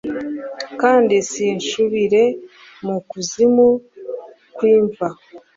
kandi sincubire mu kuzimu kw’imva